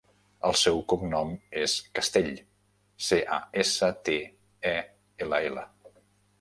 El seu cognom és Castell: ce, a, essa, te, e, ela, ela.